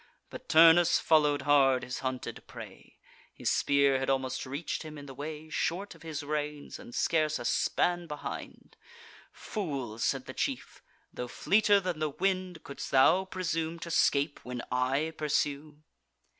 But Turnus follow'd hard his hunted prey (His spear had almost reach'd him in the way, Short of his reins, and scarce a span behind) "Fool!" said the chief, "tho' fleeter than the wind, Couldst thou presume to scape, when I pursue?"